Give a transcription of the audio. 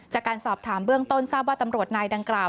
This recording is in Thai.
จากการสอบถามเบื้องต้นทราบว่าตำรวจนายดังกล่าว